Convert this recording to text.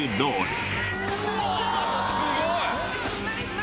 すごい！